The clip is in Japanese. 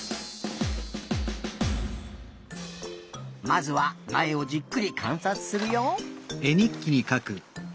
まずはなえをじっくりかんさつするよ。